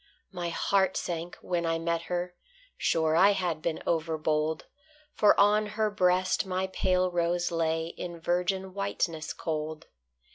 My heart sank when I met her: sure I had been overbold, For on her breast my pale rose lay In virgin whiteness cold.